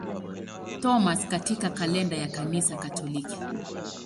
Thomas katika kalenda ya Kanisa Katoliki.